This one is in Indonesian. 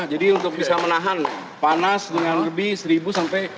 jadi untuk bisa menahan panas dengan lebih seribu sampai